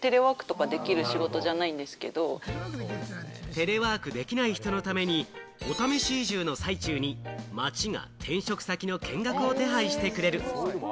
テレワークできない人のためにお試し移住の最中に町が転職先の見学を手配してくれる。